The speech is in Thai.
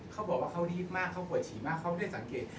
เขาบอกว่าเขารีบมากเขาปวดฉี่มากเขาไม่ได้สังเกต